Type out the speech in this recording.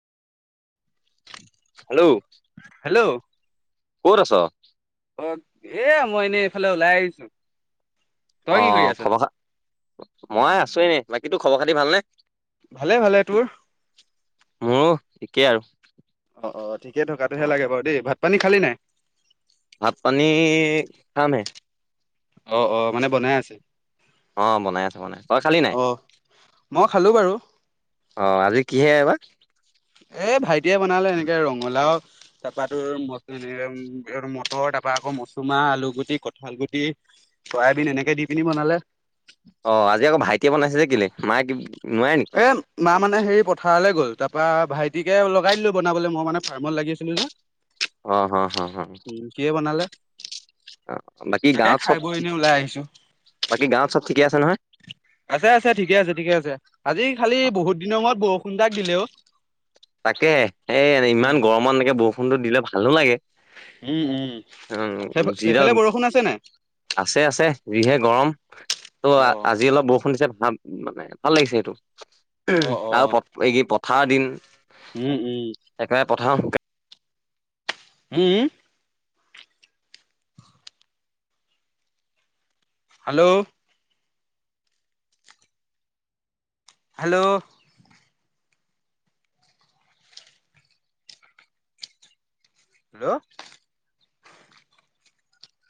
Hello. Hello. ক'ত আছ? অ, এইয়া মই এনেই এইফালে ওলাই আহিছোঁ। অ' খবৰ খা, মই আছো এনে বাকী তো খবৰ খাতি ভালনে? ভালে ভালে তোৰ? মোৰো একেই আৰু। অ', অ', ঠিকে অ থকাটোহে লাগে বাৰু দেই ভাত পানী খালী নে? ভাত পানী খাম হে। অ', অ', মানে বনাই আছে। অ' বনাই আছ বনাইছ তই খালী নাই? অ মই খালোঁ বাৰু। অ' আজি কিহে এই বা? এ ভাইটিয়ে বনালে এনেকে ৰঙালাও তাৰপাটো ম এ মটৰ তাৰপা আকৌ মচুমা আলু গুটি কঠাল গুটি চৰাইবিন এনেকে দি পিনি বনালে। অ' আজি আকৌ ভাইটিয়ে বনাইছে যে কেলৈ মায়ে কি নোৱাৰে নেকি? এই মা মানে হেৰি পথাৰলৈ গ'ল তাৰপৰা ভাইটিকে লগাই দিলোঁ বনাবলৈ মই মানে ফাৰ্মত লাগি আছিলোঁ যে। অ' হ হ হ হ। উম সিয়ে বনালে। অ' বাকী তাকে গাঁৱত খাই চব, বৈ এনেই ওলাই আহিছো। বাকী গাঁৱত চব ঠিকে আছে নহয়। আছে আছে ঠিকে আছে ঠিকে আছে। আজি খালি অ বহুত দিনৰ মূৰত বৰষুণ তাক দিলে অ'। তাকে এ ইমান গৰমত এনেকে বৰষুণটো দিলে ভালো লাগে। উম উম উম যিডাল সেই-সেইফালে বৰষুণ আছে নাই? আছে আছে যিহে গৰম। অ ত' আজি অলপ বৰষুণ দিছে ভাল মানে ভাল লাগিছে সেইটো। অ অ আৰু প এই কি পথাৰ দিন। উম উম। একেবাৰে পঠাওঁ উম হেল্ল' হেল্ল' হেল্ল'